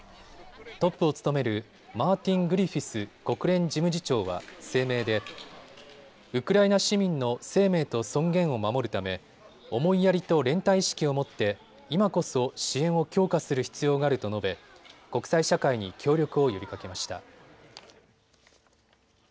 トップを務めるマーティン・グリフィス国連事務次長は声明でウクライナ市民の生命と尊厳を守るため思いやりと連帯意識を持って今こそ支援を強化する必要があると述べ、国際社会に協力を呼びかけました。